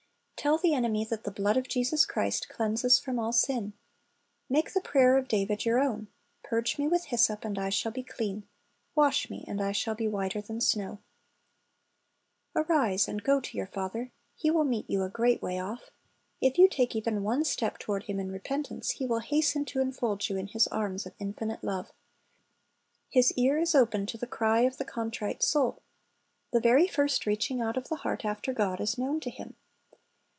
"^ Tell the enemy that the blood of Jesus Christ cleanses from all sin. Make the prayer of David your own, "Purge me Avith hyssop, and I shall be clean; wash me, and I shall be whiter than snow."'' Arise and go to your Father. He will meet you a great way off If you take even one step toward Him in repentance, He will hasten to enfold you in His arms of infinite love. His ear is open to the ,cry of the contrite soul. The very first reaching out of the heart after God is known to Him.